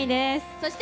そして。